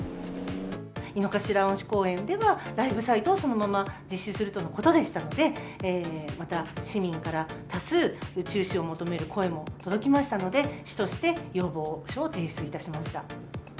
井の頭恩賜公園では、ライブサイトをそのまま実施するとのことでしたので、また市民から多数、中止を求める声も届きましたので、市として要望書を提出いたしました。